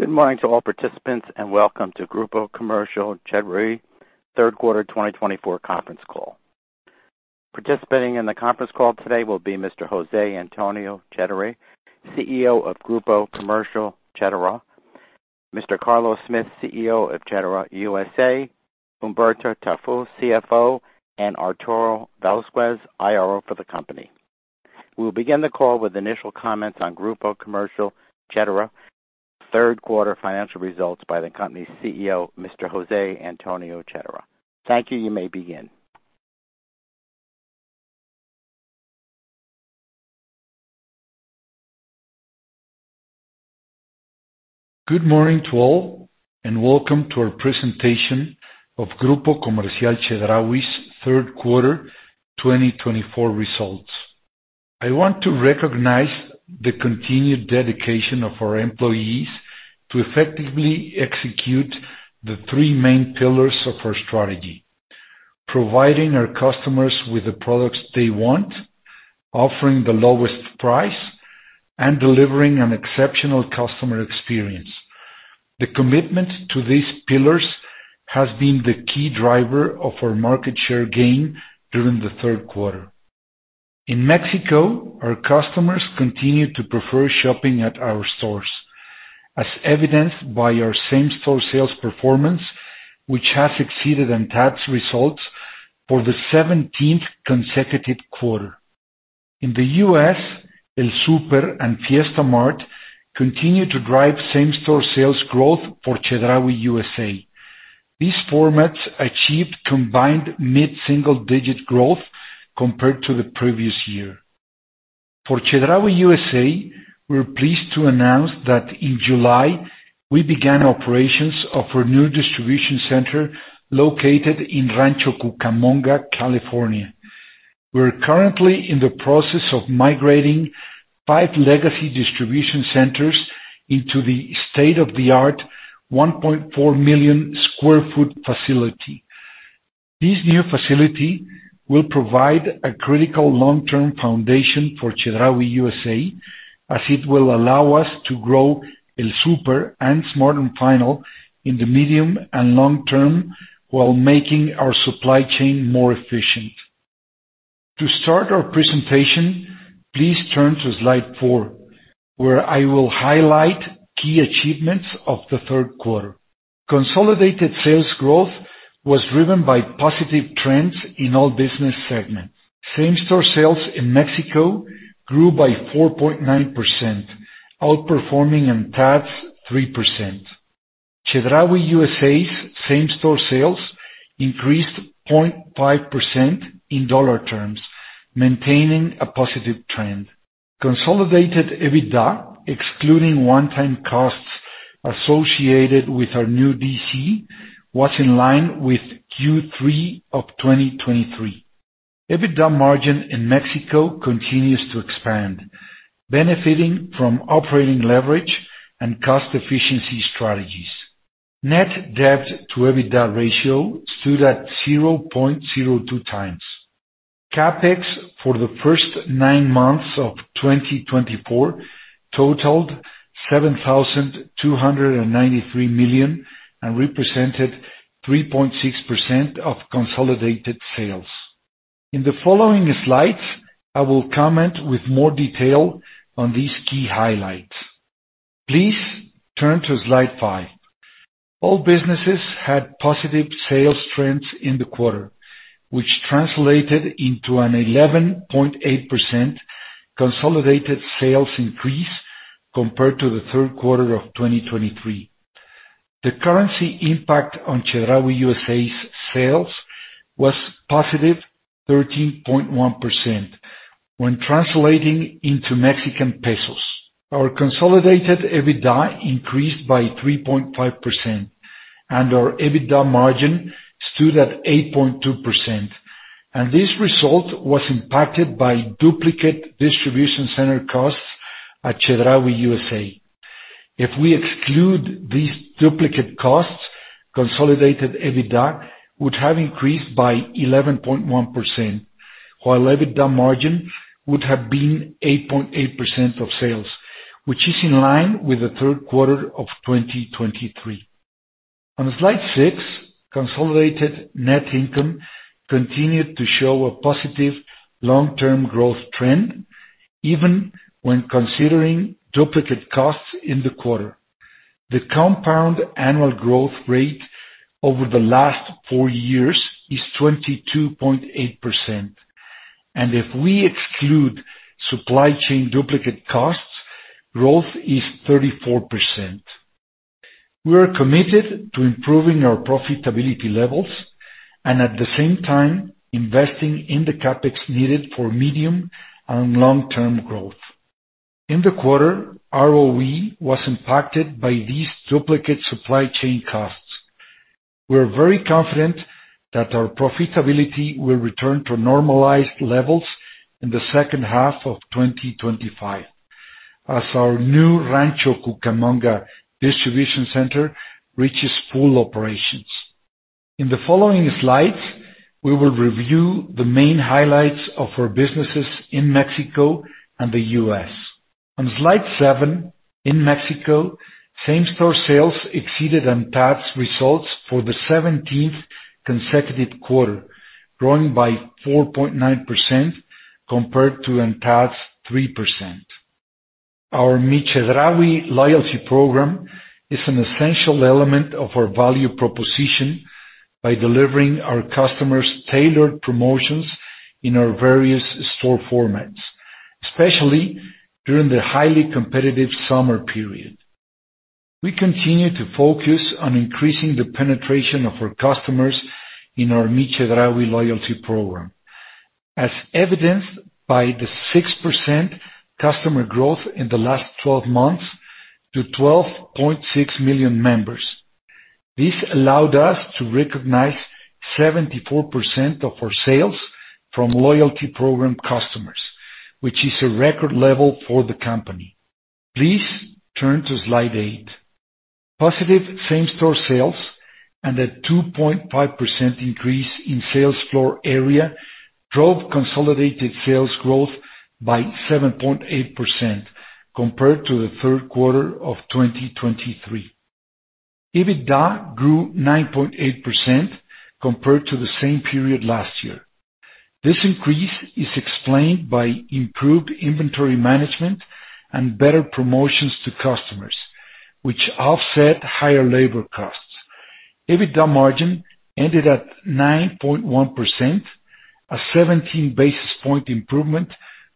Good morning to all participants, and welcome to Grupo Comercial Chedraui third quarter 2024 conference call. Participating in the conference call today will be Mr. José Antonio Chedraui, CEO of Grupo Comercial Chedraui, Mr. Carlos Smith, CEO of Chedraui USA, Humberto Tafur, CFO, and Arturo Velázquez, IRO for the company. We will begin the call with initial comments on Grupo Comercial Chedraui third quarter financial results by the company's CEO, Mr. José Antonio Chedraui. Thank you. You may begin. Good morning to all, and welcome to our presentation of Grupo Comercial Chedraui's third quarter 2024 results. I want to recognize the continued dedication of our employees to effectively execute the three main pillars of our strategy: providing our customers with the products they want, offering the lowest price, and delivering an exceptional customer experience. The commitment to these pillars has been the key driver of our market share gain during the third quarter. In Mexico, our customers continue to prefer shopping at our stores, as evidenced by our same-store sales performance, which has exceeded ANTAD results for the seventeenth consecutive quarter. In the US, El Super and Fiesta Mart continue to drive same-store sales growth for Chedraui USA. These formats achieved combined mid-single digit growth compared to the previous year. For Chedraui USA, we're pleased to announce that in July, we began operations of our new distribution center located in Rancho Cucamonga, California. We're currently in the process of migrating five legacy distribution centers into the state-of-the-art 1.4 million sq ft facility. This new facility will provide a critical long-term foundation for Chedraui USA, as it will allow us to grow El Super and Smart & Final in the medium and long term, while making our supply chain more efficient. To start our presentation, please turn to slide four, where I will highlight key achievements of the third quarter. Consolidated sales growth was driven by positive trends in all business segments. Same-store sales in Mexico grew by 4.9%, outperforming ANTAD's 3%. Chedraui USA's same-store sales increased 0.5% in dollar terms, maintaining a positive trend. Consolidated EBITDA, excluding one-time costs associated with our new DC, was in line with Q3 of 2023. EBITDA margin in Mexico continues to expand, benefiting from operating leverage and cost efficiency strategies. Net debt to EBITDA ratio stood at 0.02 times. CapEx for the first nine months of 2024 totaled 7,293 million, and represented 3.6% of consolidated sales. In the following slides, I will comment with more detail on these key highlights. Please turn to slide five. All businesses had positive sales trends in the quarter, which translated into an 11.8% consolidated sales increase compared to the third quarter of 2023. The currency impact on Chedraui USA's sales was positive, 13.1% when translating into Mexican pesos. Our consolidated EBITDA increased by 3.5%, and our EBITDA margin stood at 8.2%, and this result was impacted by duplicate distribution center costs at Chedraui USA. If we exclude these duplicate costs, consolidated EBITDA would have increased by 11.1%, while EBITDA margin would have been 8.8% of sales, which is in line with the third quarter of 2023. On slide six, consolidated net income continued to show a positive long-term growth trend, even when considering duplicate costs in the quarter. The compound annual growth rate over the last four years is 22.8%, and if we exclude supply chain duplicate costs, growth is 34%. We are committed to improving our profitability levels and at the same time, investing in the CapEx needed for medium and long-term growth. In the quarter, ROE was impacted by these duplicate supply chain costs. We're very confident that our profitability will return to normalized levels in the second half of 2025, as our new Rancho Cucamonga distribution center reaches full operations. In the following slides, we will review the main highlights of our businesses in Mexico and the U.S. On slide seven, in Mexico, same-store sales exceeded ANTAD results for the seventeenth consecutive quarter, growing by 4.9% compared to ANTAD 3%. Our Mi Chedraui loyalty program is an essential element of our value proposition by delivering our customers tailored promotions in our various store formats, especially during the highly competitive summer period. We continue to focus on increasing the penetration of our customers in our Mi Chedraui loyalty program, as evidenced by the 6% customer growth in the last twelve months to 12.6 million members. This allowed us to recognize 74% of our sales from loyalty program customers, which is a record level for the company. Please turn to slide eight. Positive same-store sales and a 2.5% increase in sales floor area drove consolidated sales growth by 7.8% compared to the third quarter of 2023. EBITDA grew 9.8% compared to the same period last year. This increase is explained by improved inventory management and better promotions to customers, which offset higher labor costs. EBITDA margin ended at 9.1%, a 17 basis point improvement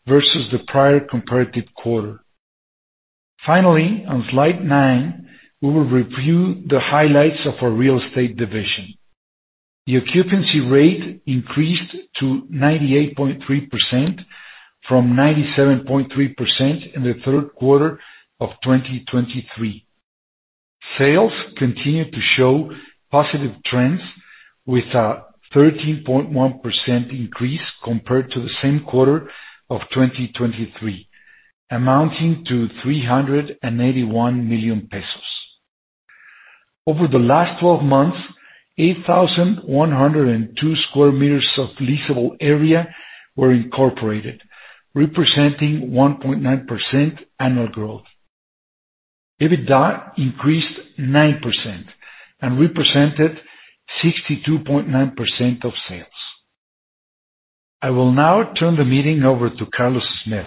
versus the prior comparative quarter. Finally, on slide nine, we will review the highlights of our real estate division. The occupancy rate increased to 98.3% from 97.3% in the third quarter of 2023. Sales continued to show positive trends with a 13.1% increase compared to the same quarter of 2023, amounting to 381 million pesos. Over the last twelve months, 8,102 square meters of leasable area were incorporated, representing 1.9% annual growth. EBITDA increased 9% and represented 62.9% of sales. I will now turn the meeting over to Carlos Smith,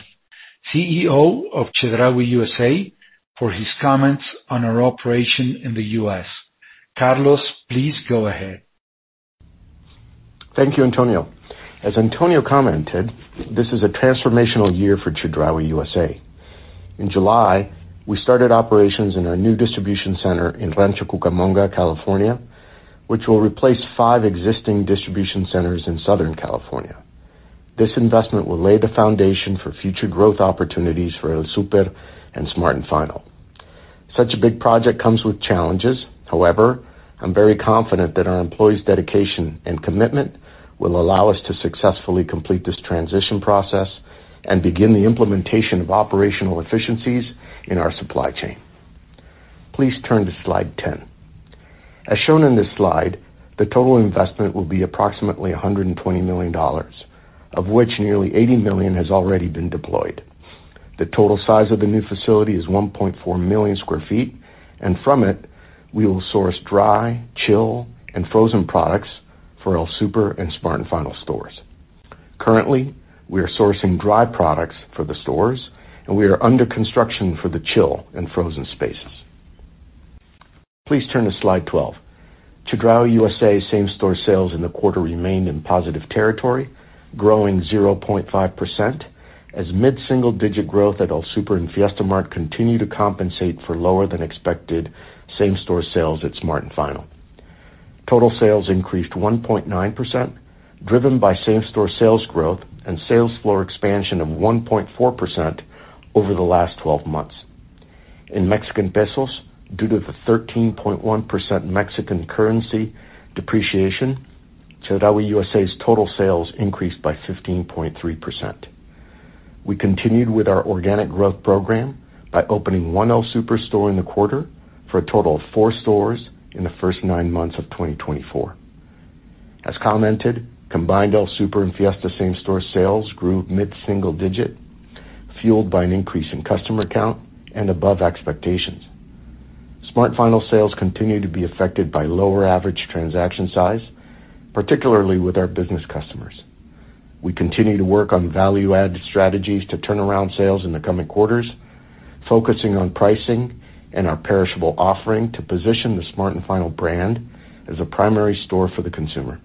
CEO of Chedraui USA, for his comments on our operation in the U.S. Carlos, please go ahead. Thank you, Antonio. As Antonio commented, this is a transformational year for Chedraui USA. In July, we started operations in our new distribution center in Rancho Cucamonga, California, which will replace five existing distribution centers in Southern California. This investment will lay the foundation for future growth opportunities for El Super and Smart & Final. Such a big project comes with challenges. However, I'm very confident that our employees' dedication and commitment will allow us to successfully complete this transition process and begin the implementation of operational efficiencies in our supply chain. Please turn to slide ten. As shown in this slide, the total investment will be approximately $120 million, of which nearly $80 million has already been deployed. The total size of the new facility is 1.4 million sq ft, and from it, we will source dry, chill, and frozen products for El Super and Smart & Final stores. Currently, we are sourcing dry products for the stores, and we are under construction for the chill and frozen spaces. Please turn to slide 12. Chedraui USA same-store sales in the quarter remained in positive territory, growing 0.5%, as mid-single-digit growth at El Super and Fiesta Mart continue to compensate for lower than expected same-store sales at Smart & Final. Total sales increased 1.9%, driven by same-store sales growth and sales floor expansion of 1.4% over the last 12 months. In Mexican pesos, due to the 13.1% Mexican currency depreciation, Chedraui USA's total sales increased by 15.3%. We continued with our organic growth program by opening one El Super store in the quarter, for a total of four stores in the first nine months of 2024. As commented, combined El Super and Fiesta same-store sales grew mid-single digit, fueled by an increase in customer count and above expectations. Smart & Final sales continue to be affected by lower average transaction size, particularly with our business customers. We continue to work on value-add strategies to turn around sales in the coming quarters, focusing on pricing and our perishable offering to position the Smart & Final brand as a primary store for the consumer.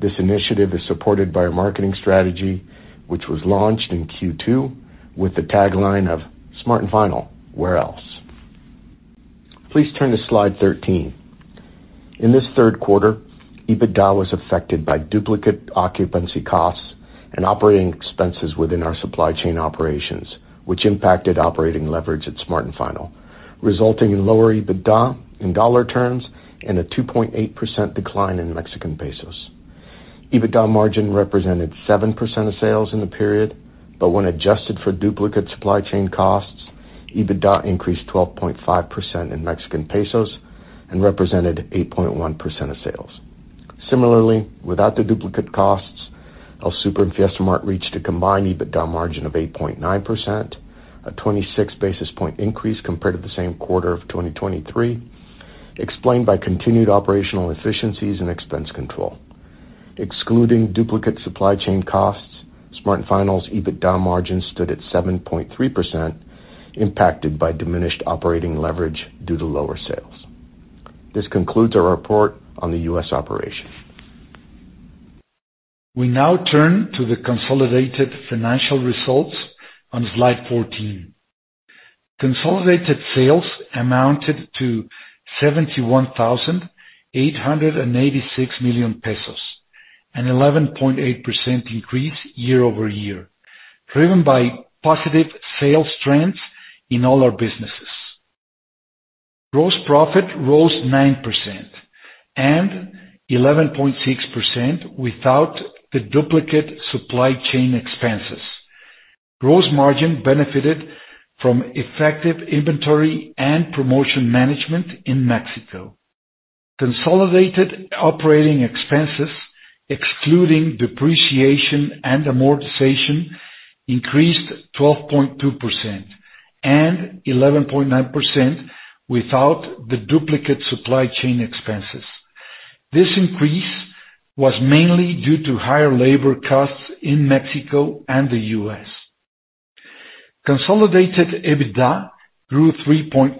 This initiative is supported by our marketing strategy, which was launched in Q2 with the tagline of: Smart & Final, Where Else? Please turn to slide 13. In this third quarter, EBITDA was affected by duplicate occupancy costs and operating expenses within our supply chain operations, which impacted operating leverage at Smart & Final, resulting in lower EBITDA in dollar terms and a 2.8% decline in MXN. EBITDA margin represented 7% of sales in the period, but when adjusted for duplicate supply chain costs, EBITDA increased 12.5% in MXN and represented 8.1% of sales. Similarly, without the duplicate costs, El Super and Fiesta Mart reached a combined EBITDA margin of 8.9%, a 26 basis point increase compared to the same quarter of 2023, explained by continued operational efficiencies and expense control. Excluding duplicate supply chain costs, Smart & Final's EBITDA margin stood at 7.3%, impacted by diminished operating leverage due to lower sales. This concludes our report on the U.S. operations. We now turn to the consolidated financial results on slide 14. Consolidated sales amounted to 71,886 million pesos, an 11.8% increase year-over-year, driven by positive sales trends in all our businesses. Gross profit rose 9% and 11.6% without the duplicate supply chain expenses. Gross margin benefited from effective inventory and promotion management in Mexico. Consolidated operating expenses, excluding depreciation and amortization, increased 12.2% and 11.9% without the duplicate supply chain expenses. This increase was mainly due to higher labor costs in Mexico and the U.S. Consolidated EBITDA grew 3.5%,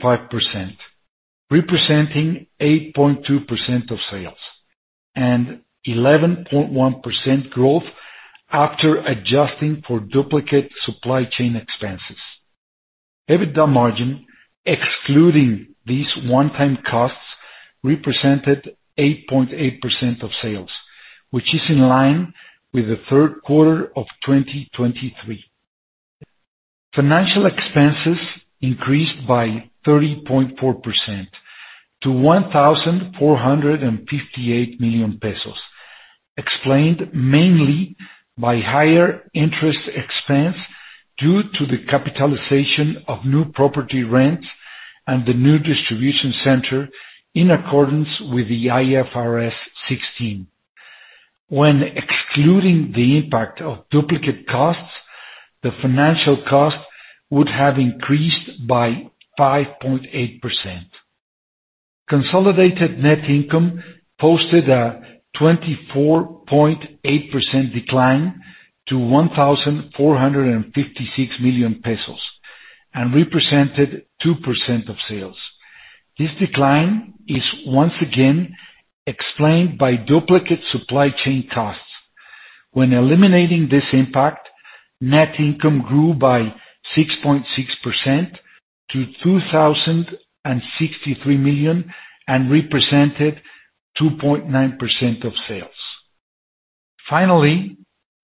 representing 8.2% of sales and 11.1% growth after adjusting for duplicate supply chain expenses. EBITDA margin, excluding these one-time costs, represented 8.8% of sales, which is in line with the third quarter of 2023. Financial expenses increased by 30.4% to MXN 1,458 million, explained mainly by higher interest expense due to the capitalization of new property rents and the new distribution center, in accordance with IFRS 16. When excluding the impact of duplicate costs, the financial cost would have increased by 5.8%. Consolidated net income posted a 24.8% decline to 1,456 million pesos and represented 2% of sales. This decline is once again explained by duplicate supply chain costs. When eliminating this impact, net income grew by 6.6% to 2,063 million and represented 2.9% of sales. Finally,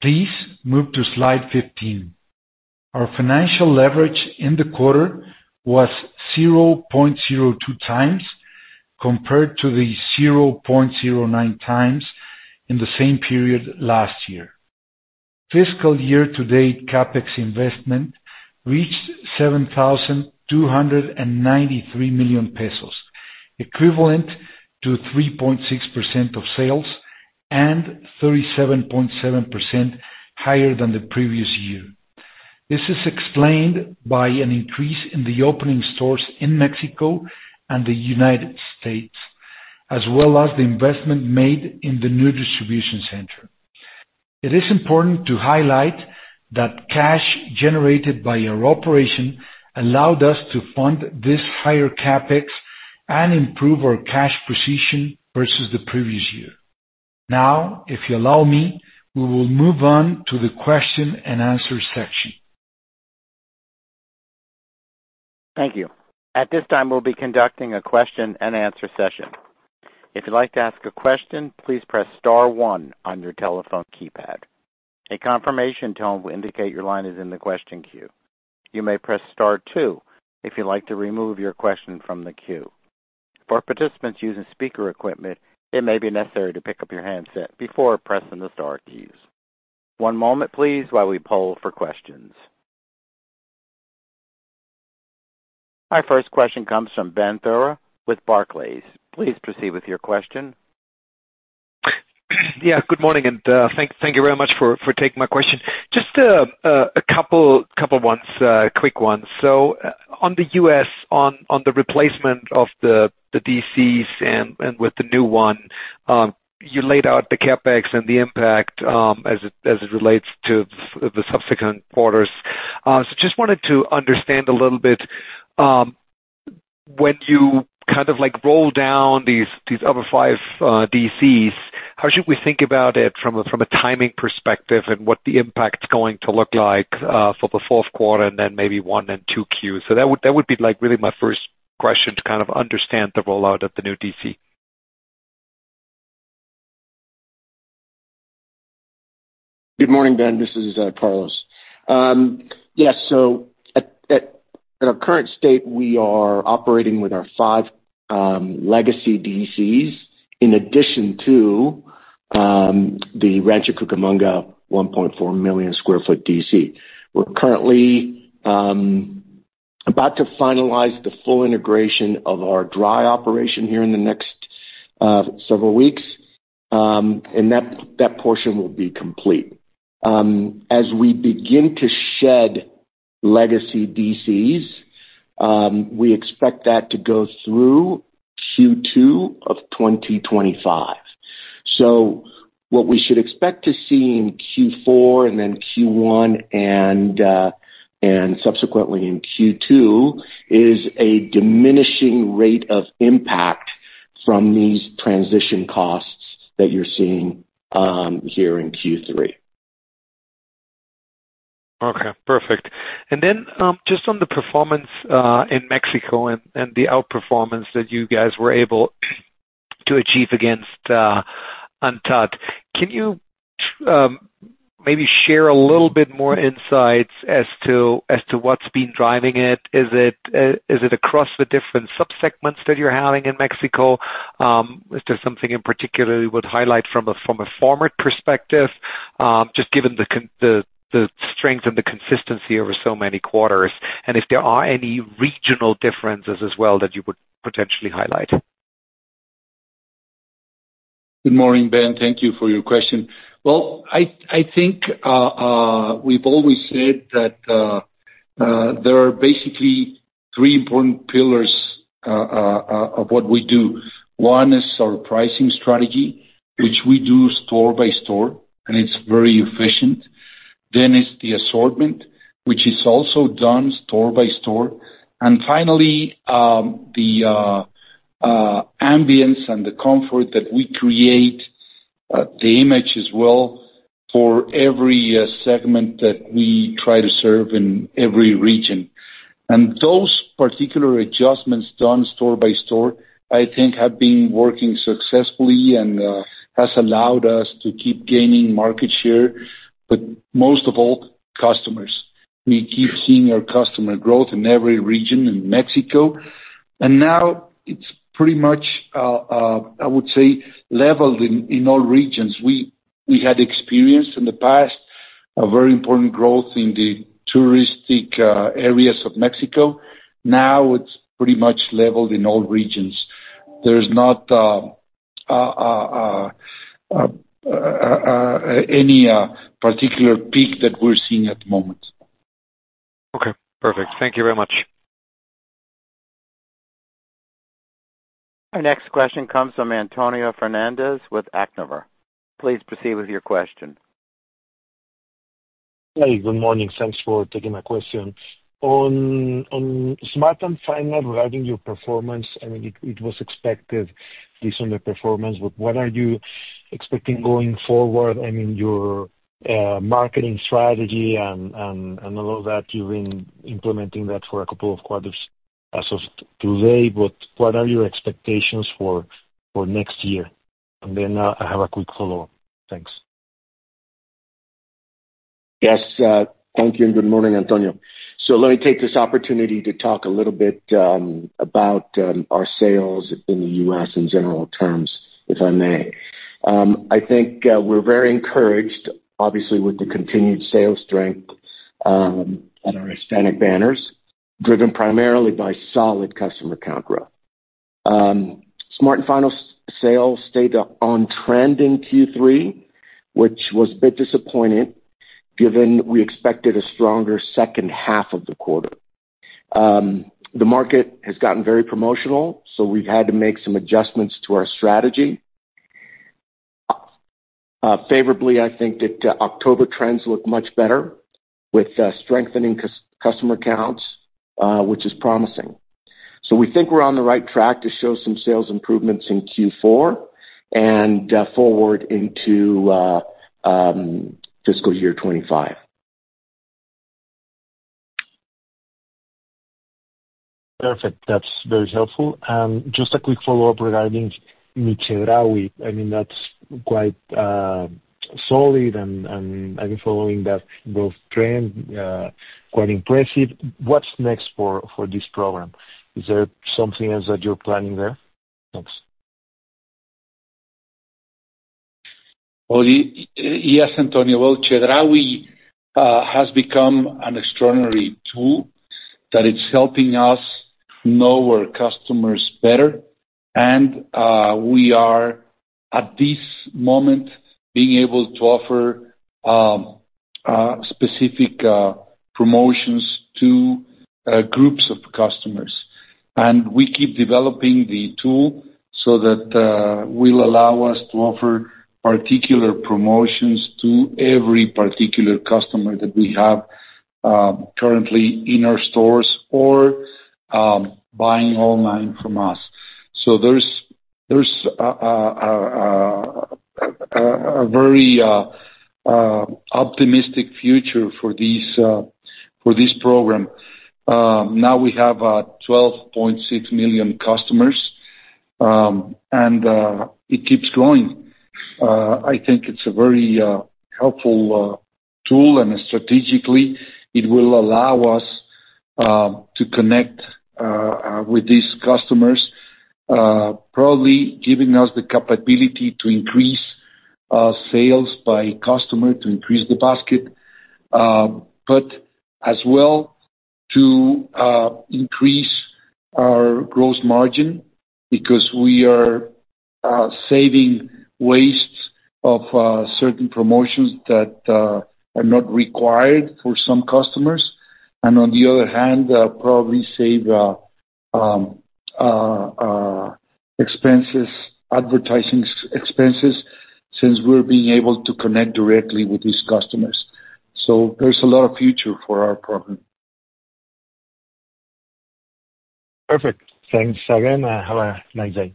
please move to slide 15. Our financial leverage in the quarter was 0.02 times, compared to the 0.09 times in the same period last year. Fiscal year to date, CapEx investment reached 7,293 million pesos, equivalent to 3.6% of sales and 37.7% higher than the previous year. This is explained by an increase in the opening stores in Mexico and the United States, as well as the investment made in the new distribution center. It is important to highlight that cash generated by our operation allowed us to fund this higher CapEx and improve our cash position versus the previous year. Now, if you allow me, we will move on to the question and answer section. Thank you. At this time, we'll be conducting a question and answer session. If you'd like to ask a question, please press star one on your telephone keypad. A confirmation tone will indicate your line is in the question queue. You may press star two if you'd like to remove your question from the queue. For participants using speaker equipment, it may be necessary to pick up your handset before pressing the star keys. One moment, please, while we poll for questions. Our first question comes from Ben Theurer with Barclays. Please proceed with your question. Yeah, good morning, and thank you very much for taking my question. Just a couple quick ones. So on the U.S., on the replacement of the DCs and with the new one, you laid out the CapEx and the impact, as it relates to the subsequent quarters. So just wanted to understand a little bit, when you kind of like roll down these other five DCs, how should we think about it from a timing perspective, and what the impact is going to look like, for the fourth quarter and then maybe one and two Qs? So that would be like really my first question, to kind of understand the rollout of the new DC. Good morning, Ben. This is, Carlos. Yes, so at our current state, we are operating with our five legacy DCs, in addition to the Rancho Cucamonga 1.4 million sq ft DC. We're currently about to finalize the full integration of our dry operation here in the next several weeks, and that portion will be complete. As we begin to shed legacy DCs, we expect that to go through Q2 of 2025. So what we should expect to see in Q4 and then Q1, and subsequently in Q2, is a diminishing rate of impact from these transition costs that you're seeing here in Q3. Okay, perfect. And then, just on the performance in Mexico and the outperformance that you guys were able to achieve against ANTAD. Can you maybe share a little bit more insights as to what's been driving it? Is it across the different sub-segments that you're having in Mexico? Is there something in particular you would highlight from a format perspective, just given the strength and the consistency over so many quarters, and if there are any regional differences as well that you would potentially highlight? Good morning, Ben. Thank you for your question. Well, I think we've always said that there are basically three important pillars of what we do. One is our pricing strategy, which we do store by store, and it's very efficient. Then it's the assortment, which is also done store by store. And finally, the ambience and the comfort that we create, the image as well, for every segment that we try to serve in every region. And those particular adjustments done store by store, I think have been working successfully and has allowed us to keep gaining market share, but most of all, customers. We keep seeing our customer growth in every region in Mexico, and now it's pretty much I would say, leveled in all regions. We had experienced in the past a very important growth in the touristic areas of Mexico. Now, it's pretty much leveled in all regions. There's not any particular peak that we're seeing at the moment. Okay, perfect. Thank you very much. Our next question comes from Antonio Hernández with Actinver. Please proceed with your question. Hi, good morning. Thanks for taking my question. On Smart & Final, regarding your performance, I mean, it was expected, based on the performance, but what are you expecting going forward? I mean, your marketing strategy, and all of that, you've been implementing that for a couple of quarters as of today, but what are your expectations for next year? And then, I have a quick follow-up. Thanks. Yes, thank you, and good morning, Antonio. So let me take this opportunity to talk a little bit about our sales in the U.S. in general terms, if I may. I think we're very encouraged, obviously, with the continued sales strength on our Hispanic banners, driven primarily by solid customer count growth. Smart & Final sales stayed on trend in Q3, which was a bit disappointing, given we expected a stronger second half of the quarter. The market has gotten very promotional, so we've had to make some adjustments to our strategy. Favorably, I think that October trends look much better with strengthening customer counts, which is promising. So we think we're on the right track to show some sales improvements in Q4 and forward into fiscal year 2025. Perfect. That's very helpful. Just a quick follow-up regarding Mi Chedraui. I mean, that's quite solid, and I've been following that growth trend, quite impressive. What's next for this program? Is there something else that you're planning there? Thanks. Yes, Antonio. Mi Chedraui has become an extraordinary tool that is helping us know our customers better. We are, at this moment, being able to offer specific promotions to groups of customers. We keep developing the tool so that it will allow us to offer particular promotions to every particular customer that we have currently in our stores or buying online from us. There is a very optimistic future for this program. We now have 12.6 million customers, and it keeps growing. I think it's a very helpful tool, and strategically, it will allow us to connect with these customers, probably giving us the capability to increase sales by customer, to increase the basket, but as well, to increase our gross margin, because we are saving waste of certain promotions that are not required for some customers, and on the other hand, probably save advertising expenses, since we're being able to connect directly with these customers, so there's a lot of future for our program. Perfect. Thanks again, have a nice day.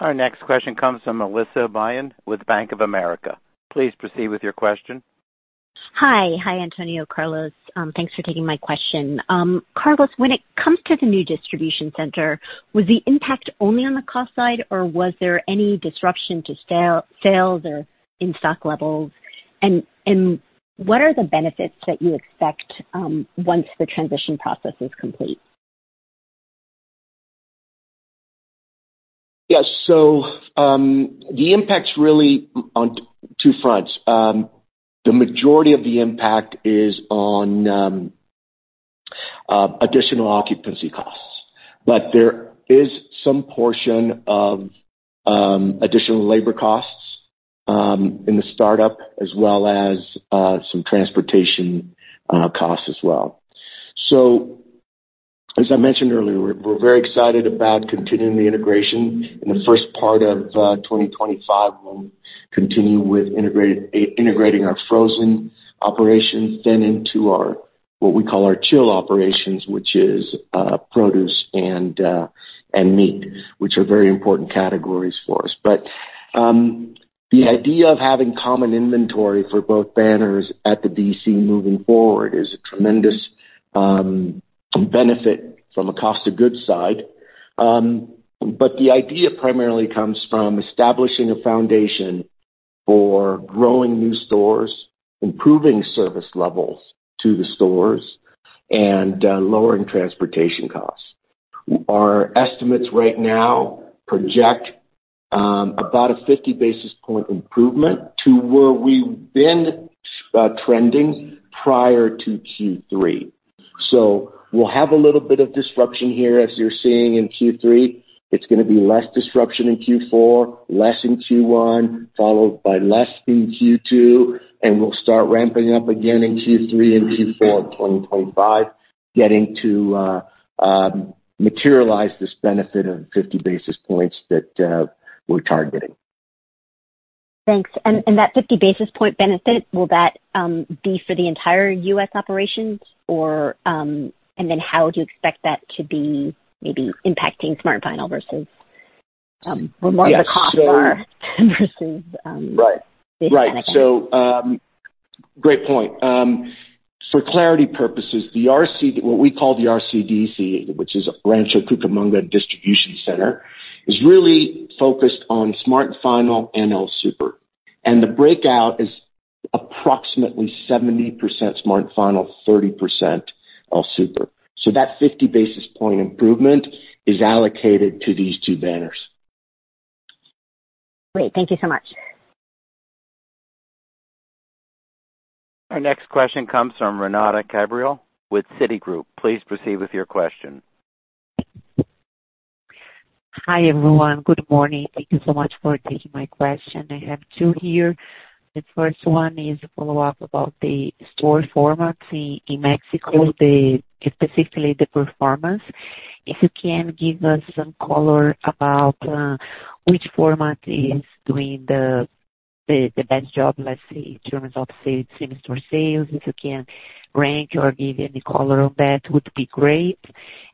Our next question comes from Melissa Byun with Bank of America. Please proceed with your question. Hi. Hi, Antonio, Carlos. Thanks for taking my question. Carlos, when it comes to the new distribution center, was the impact only on the cost side, or was there any disruption to sales or in stock levels? And what are the benefits that you expect, once the transition process is complete? Yes. So, the impact's really on two fronts. The majority of the impact is on additional occupancy costs, but there is some portion of additional labor costs in the startup, as well as some transportation costs as well. So, as I mentioned earlier, we're very excited about continuing the integration. In the first part of 2025, we'll continue with integrating our frozen operations then into our what we call our chill operations, which is produce and meat, which are very important categories for us. But the idea of having common inventory for both banners at the DC moving forward is a tremendous benefit from a cost of goods side. But the idea primarily comes from establishing a foundation for growing new stores, improving service levels to the stores, and lowering transportation costs. Our estimates right now project about a fifty basis point improvement to where we've been trending prior to Q3. So we'll have a little bit of disruption here, as you're seeing in Q3. It's gonna be less disruption in Q4, less in Q1, followed by less in Q2, and we'll start ramping up again in Q3 and Q4 of 2025, getting to materialize this benefit of fifty basis points that we're targeting. Thanks. And that fifty basis point benefit, will that be for the entire U.S. operations? Or, and then how do you expect that to be maybe impacting Smart & Final versus, or more- Yes, so- -of the cost bar versus Right. Right. -basis point. So, great point. For clarity purposes, the RC, what we call the RCDC, which is Rancho Cucamonga Distribution Center, is really focused on Smart & Final and El Super. And the breakout is approximately 70% Smart & Final, 30% El Super. So that 50 basis point improvement is allocated to these two banners. Great. Thank you so much. Our next question comes from Renata Cabral with Citigroup. Please proceed with your question. Hi, everyone. Good morning. Thank you so much for taking my question. I have two here. The first one is a follow-up about the store formats in Mexico, specifically the performance. If you can give us some color about which format is doing the best job, let's say, in terms of, say, same store sales, if you can rank or give any color on that, would be great.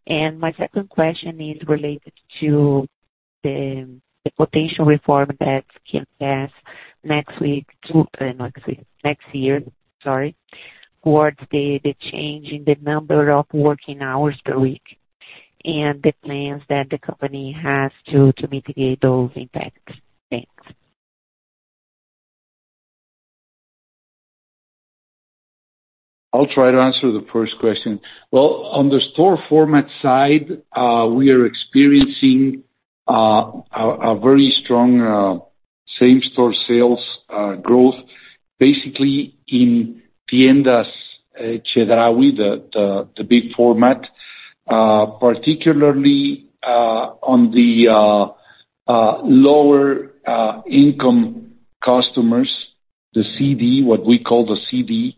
And my second question is related to the potential reform that can pass next year, sorry, towards the change in the number of working hours per week, and the plans that the company has to mitigate those impacts. Thanks. I'll try to answer the first question. Well, on the store format side, we are experiencing a very strong same-store sales growth, basically in Tiendas Chedraui, the big format, particularly on the lower income customers, the CD, what we call the CD,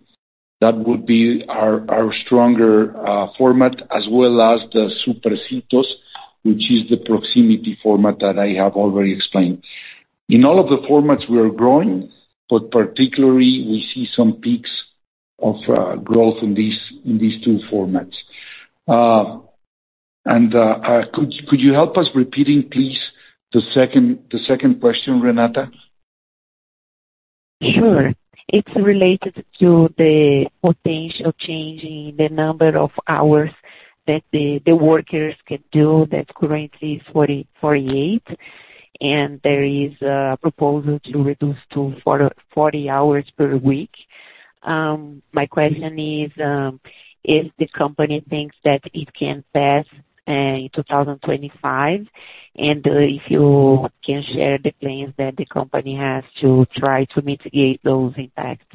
that would be our stronger format, as well as the Supercitos, which is the proximity format that I have already explained. In all of the formats we are growing, but particularly we see some peaks of growth in these two formats. And could you help us repeating, please, the second question, Renata? Sure. It's related to the potential change in the number of hours that the workers can do. That's currently forty-eight, and there is a proposal to reduce to forty hours per week. My question is, if the company thinks that it can pass in 2025, and if you can share the plans that the company has to try to mitigate those impacts?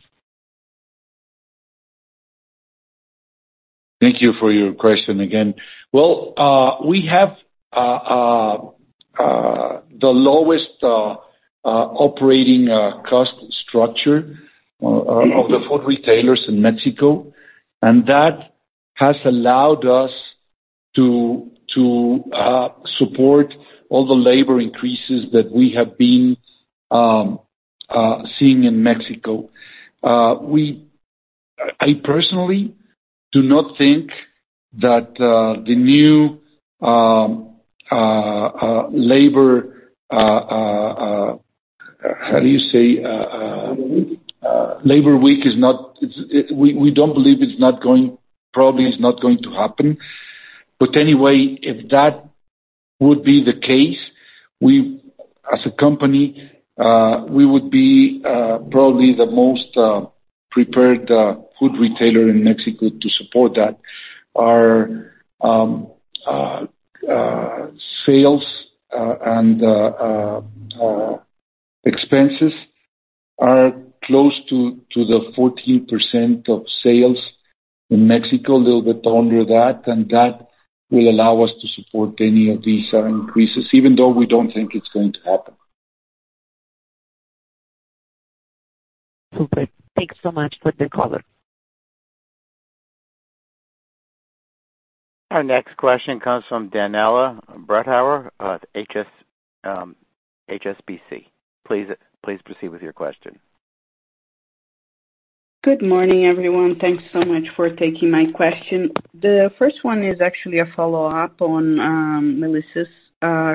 Thank you for your question again. Well, we have the lowest operating cost structure of the food retailers in Mexico, and that has allowed us to support all the labor increases that we have been seeing in Mexico. I personally do not think that the new labor how do you say? Labor week. Labor week is not. It's, we don't believe it's not going... Probably, it's not going to happen. But anyway, if that would be the case, we, as a company, would be probably the most prepared food retailer in Mexico to support that. Our sales and expenses are close to 14% of sales in Mexico, a little bit under that, and that will allow us to support any of these increases, even though we don't think it's going to happen. Super. Thanks so much for the color. Our next question comes from Daniela Bretthauer, HSBC. Please proceed with your question. Good morning, everyone. Thanks so much for taking my question. The first one is actually a follow-up on Melissa's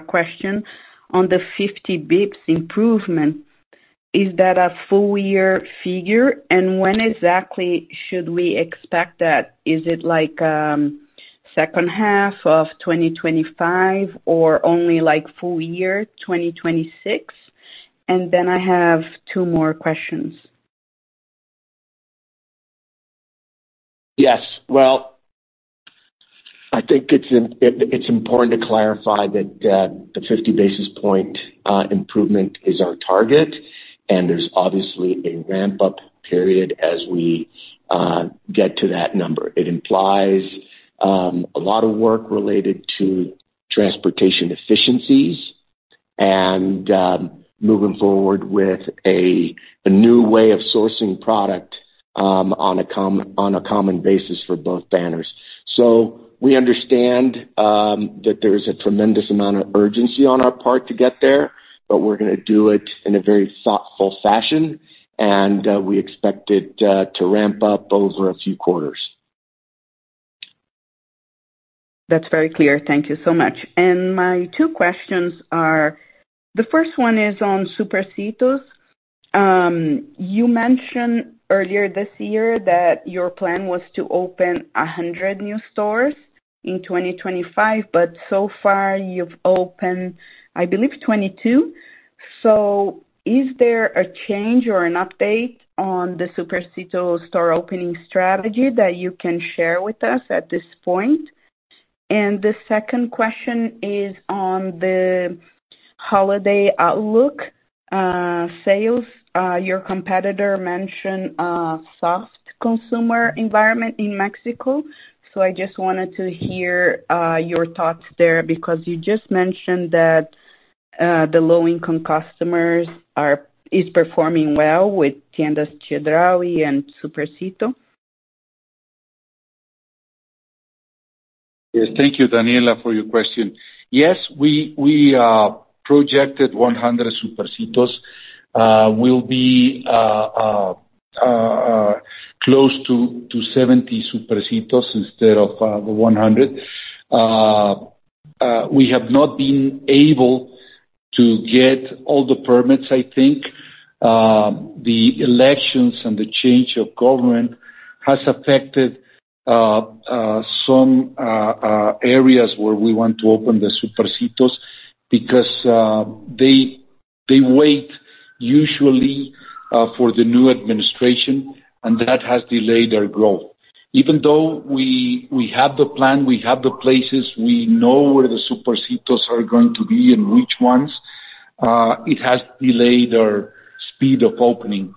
question on the 50 basis points improvement. Is that a full year figure? And when exactly should we expect that? Is it like second half of 2025 or only like full year 2026? And then I have two more questions. Yes. Well, I think it's important to clarify that the fifty basis point improvement is our target, and there's obviously a ramp-up period as we get to that number. It implies a lot of work related to transportation efficiencies and moving forward with a new way of sourcing product on a common basis for both banners. So we understand that there is a tremendous amount of urgency on our part to get there, but we're gonna do it in a very thoughtful fashion, and we expect it to ramp up over a few quarters. That's very clear. Thank you so much. And my two questions are: the first one is on Supercitos. You mentioned earlier this year that your plan was to open 100 new stores in 2025, but so far you've opened, I believe, 22. So is there a change or an update on the Supercitos store opening strategy that you can share with us at this point? And the second question is on the holiday outlook, sales. Your competitor mentioned a soft consumer environment in Mexico, so I just wanted to hear your thoughts there, because you just mentioned that the low-income customers are performing well with Tiendas Chedraui and Supercitos. Yes. Thank you, Daniela, for your question. Yes, we projected 100 Supercitos. We'll be close to 70 Supercitos instead of 100. We have not been able to get all the permits, I think. The elections and the change of government has affected some areas where we want to open the Supercitos, because they wait usually for the new administration, and that has delayed our growth. Even though we have the plan, we have the places, we know where the Supercitos are going to be and which ones, it has delayed our speed of opening.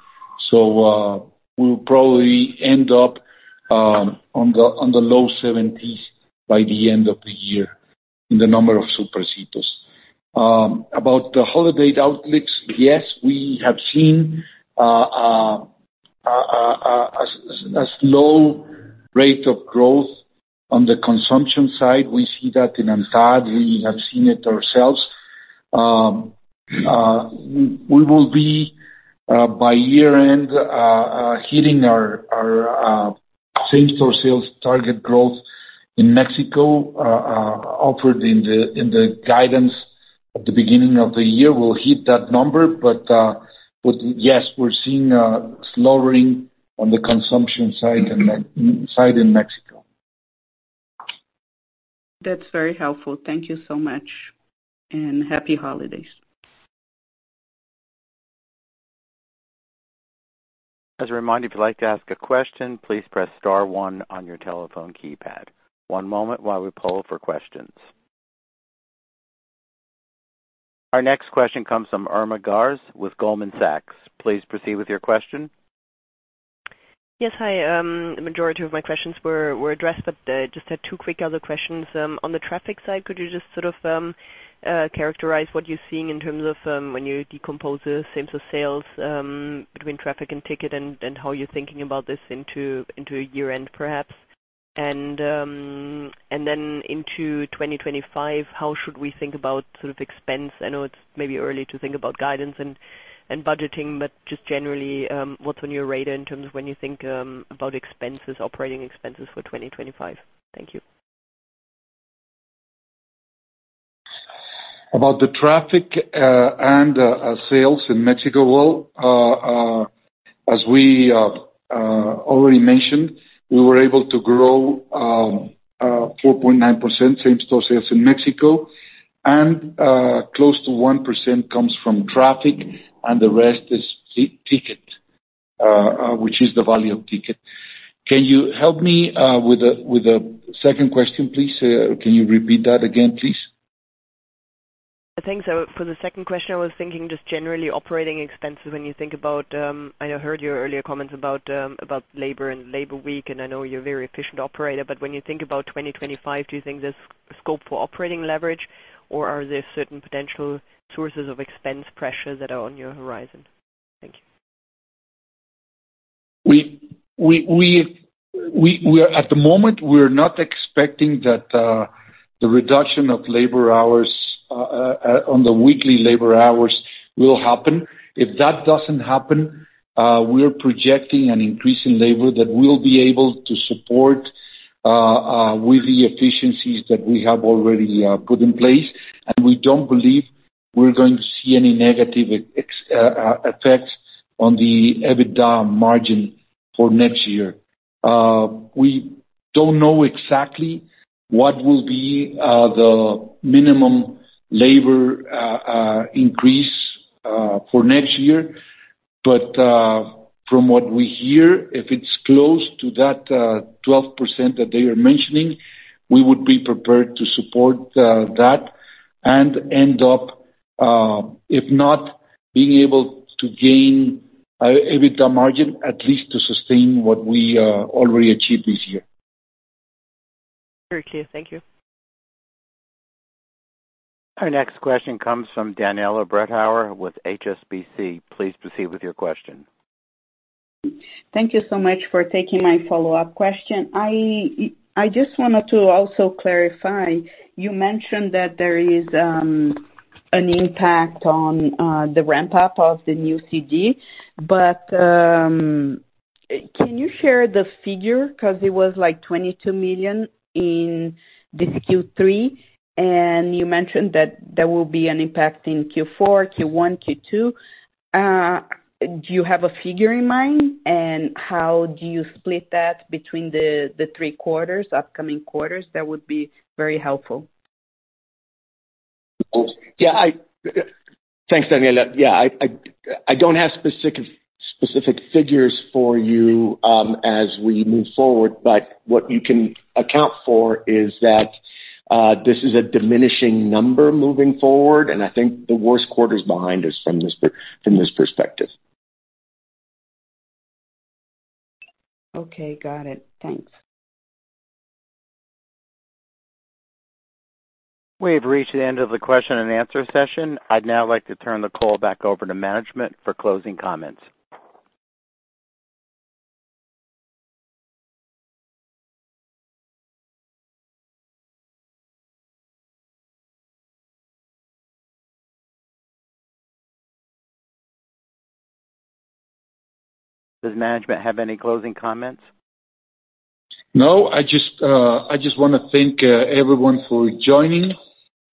We'll probably end up on the low 70s by the end of the year, in the number of Supercitos. About the holiday outlooks, yes, we have seen a slow rate of growth on the consumption side. We see that in ANTAD. We have seen it ourselves. We will be, by year-end, hitting our same-store sales target growth in Mexico offered in the guidance at the beginning of the year will hit that number. But yes, we're seeing a slowing on the consumption side in Mexico. That's very helpful. Thank you so much, and happy holidays. As a reminder, if you'd like to ask a question, please press star one on your telephone keypad. One moment while we poll for questions. Our next question comes from Irma Sgarz with Goldman Sachs. Please proceed with your question. Yes. Hi. The majority of my questions were addressed, but just had two quick other questions. On the traffic side, could you just sort of characterize what you're seeing in terms of when you decompose the same-store sales between traffic and ticket, and how you're thinking about this into a year-end, perhaps? And then into 2025, how should we think about sort of expense? I know it's maybe early to think about guidance and budgeting, but just generally, what's on your radar in terms of when you think about expenses, operating expenses for 2025? Thank you. About the traffic, and sales in Mexico. Well, as we already mentioned, we were able to grow 4.9% same-store sales in Mexico, and close to 1% comes from traffic, and the rest is ticket, which is the value of ticket. Can you help me with the second question, please? Can you repeat that again, please? Thanks. So for the second question, I was thinking just generally operating expenses. When you think about, I heard your earlier comments about labor and labor week, and I know you're a very efficient operator, but when you think about 2025, do you think there's scope for operating leverage, or are there certain potential sources of expense pressures that are on your horizon? Thank you. We are at the moment we're not expecting that the reduction of labor hours on the weekly labor hours will happen. If that doesn't happen, we are projecting an increase in labor that we'll be able to support with the efficiencies that we have already put in place, and we don't believe we're going to see any negative effects on the EBITDA margin for next year. We don't know exactly what will be the minimum labor increase for next year. But from what we hear, if it's close to that 12% that they are mentioning, we would be prepared to support that and end up, if not being able to gain EBITDA margin, at least to sustain what we already achieved this year. Very clear. Thank you. Our next question comes from Daniela Bretthauer with HSBC. Please proceed with your question. Thank you so much for taking my follow-up question. I just wanted to also clarify. You mentioned that there is an impact on the ramp-up of the new DC, but can you share the figure? Because it was, like, $22 million in this Q3, and you mentioned that there will be an impact in Q4, Q1, Q2. Do you have a figure in mind, and how do you split that between the three quarters, upcoming quarters? That would be very helpful. Yeah, thanks, Daniela. Yeah, I don't have specific figures for you, as we move forward, but what you can account for is that this is a diminishing number moving forward, and I think the worst quarter is behind us from this perspective. Okay. Got it. Thanks. We have reached the end of the question-and-answer session. I'd now like to turn the call back over to management for closing comments. Does management have any closing comments? No. I just wanna thank everyone for joining,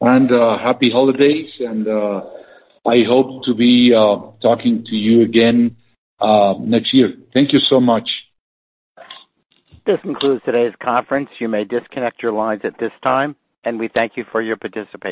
and happy holidays, and I hope to be talking to you again next year. Thank you so much. This concludes today's conference. You may disconnect your lines at this time, and we thank you for your participation.